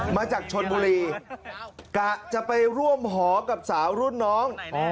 มาจากชนบุรีกะจะไปร่วมหอกับสาวรุ่นน้อง